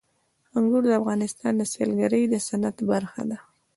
انګور د افغانستان د سیلګرۍ د صنعت برخه ده.